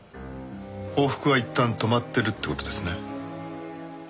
報復はいったん止まってるって事ですね。